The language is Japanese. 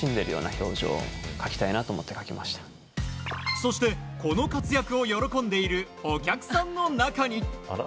そしてこの活躍を喜んでいるお客さんの中に。